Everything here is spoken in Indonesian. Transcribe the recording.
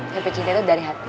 nyampe cinta itu dari hati